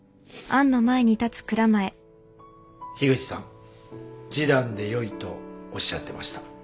樋口さん示談でよいとおっしゃってました。